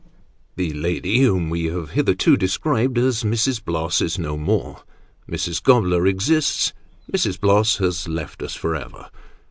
The lady whom we have hitherto described as Mrs. Bloss, is no more. Mrs. Gobler exists : Mrs. Bloss has left us for ever.